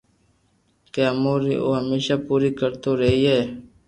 ڪہ اموري او ھميسہ پوري ڪرتو رھئي